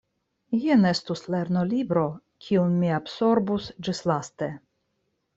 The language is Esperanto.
Jen estus lernolibro, kiun mi absorbus ĝislaste.